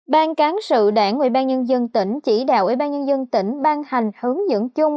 ban cán sự đảng ủy ban nhân dân tỉnh chỉ đạo ủy ban nhân dân tỉnh ban hành hướng dẫn chung